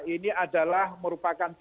ini adalah merupakan